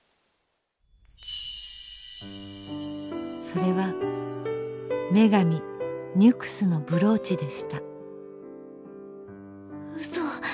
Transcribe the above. それは女神ニュクスのブローチでした。